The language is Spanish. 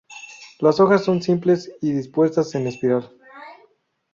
Las hojas son simples y dispuestas en espiral.